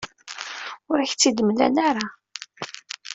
Ur ak-tt-id-mlan ara.